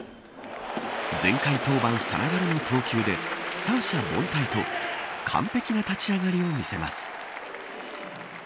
全開登板さながらの投球で三者凡退と完璧な立ち上がりを見せます。